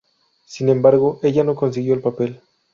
Sin embargo, ella no consiguió el papel.